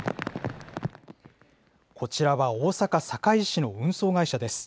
こちらは大阪・堺市の運送会社です。